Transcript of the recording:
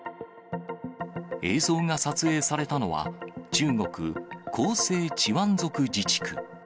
映像が撮影されたのは、中国・広西チワン族自治区。